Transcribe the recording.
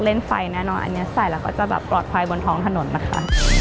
เล่นไฟแน่นอนอันนี้ใส่แล้วก็จะแบบปลอดภัยบนท้องถนนนะคะ